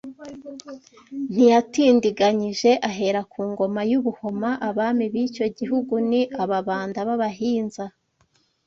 Ntiyatindiganyije ahera ku Ngoma y’u Buhoma Abami b’icyo gihugu ni Ababanda b’Abahinza